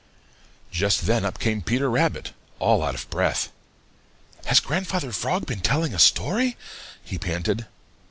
Just then up came Peter Rabbit, all out of breath. "Has Grandfather Frog been telling a story?" he panted.